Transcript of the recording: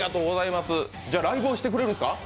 ライブをしてくれるんですか？